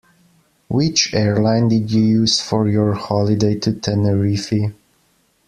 Which airline did you use for your holiday to Tenerife?